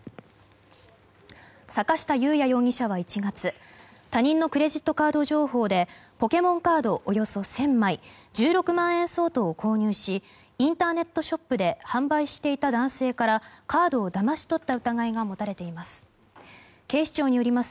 坂下裕也容疑者は１月他人のクレジットカード情報でポケモンカードおよそ１０００枚１６万円相当を購入しインターネットショップで販売していた男性からカードをだまし取った疑いが持たれています。